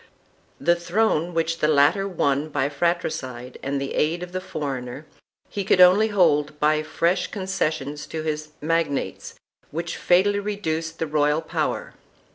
The throne which the latter won by fratricide and the aid of the foreigner, he could only hold by fresh concessions to his magnates which fatally reduced the royal power.